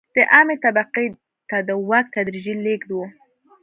د عامې طبقې ته د واک تدریجي لېږد و.